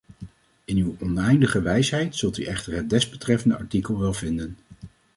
In uw oneindige wijsheid zult u echter het desbetreffende artikel wel vinden.